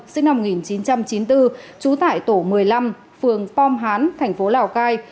sinh năm một nghìn chín trăm chín mươi bốn trú tại tổ một mươi năm phường pom hán thành phố lào cai